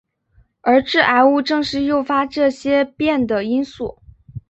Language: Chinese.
而致癌物正是诱发这些变的因素。